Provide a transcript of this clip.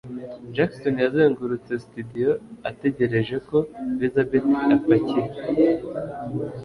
Jackson yazengurutse studio ategereje ko Elisabeth apakira.